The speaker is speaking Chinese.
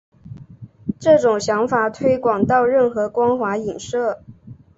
这种想法推广到任何光滑映射。